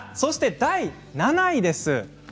第７位です。